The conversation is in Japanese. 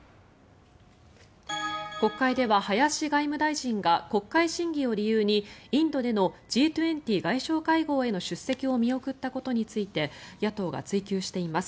国会では林外務大臣が国会審議を理由にインドでのＧ２０外相会合への出席を見送ったことについて野党が追及しています。